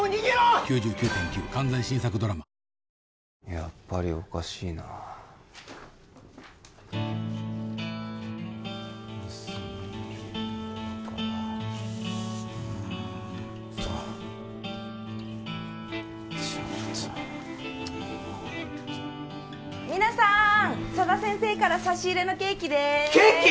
やっぱりおかしいなうんと皆さん佐田先生から差し入れのケーキですケーキ！？